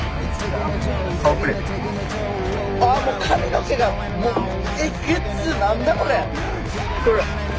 あもう髪の毛がもうえげつ何だこれ！